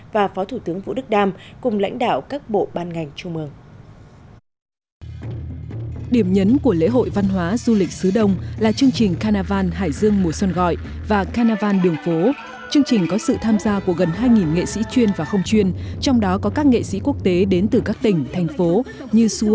và phó thủ tướng vũ đức đam cùng lãnh đạo các bộ ban ngành trung ương